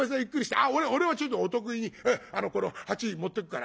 ああ俺はちょっとお得意にこの鉢持ってくから。